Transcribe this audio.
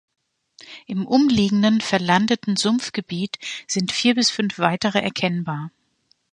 Im umliegenden, verlandeten Sumpfgebiet sind vier bis fünf weitere erkennbar.